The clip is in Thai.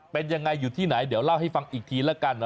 เป็นยังไงอยู่ที่ไหนเดี๋ยวเล่าให้ฟังอีกทีละกัน